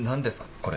これ。